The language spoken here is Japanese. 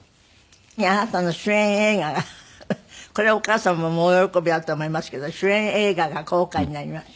あなたの主演映画がこれはお母様も大喜びだと思いますけど主演映画が公開になります。